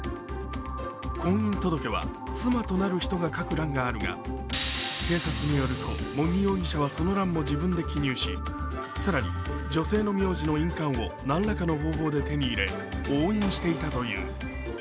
婚姻届は、妻となる人が書く欄があるが警察によると、茂木容疑者はその欄も自分で記入し更に、女性の名字の印鑑を何らかの方法で手に入れ、押印していたという。